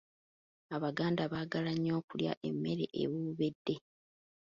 Abaganda baagala nnyo okulya emmere eboobedde.